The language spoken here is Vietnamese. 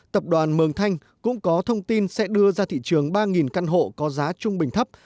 tập đoàn mường thanh cũng có thông tin sẽ đưa ra thị trường ba căn hộ có giá trung bình thấp